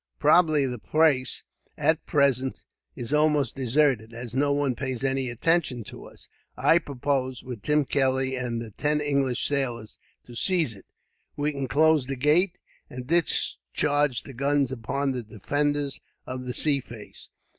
Probably the place, at present, is almost deserted. As no one pays any attention to us, I propose, with Tim Kelly and the ten English sailors, to seize it. We can close the gate, and discharge the guns upon the defenders of the sea face.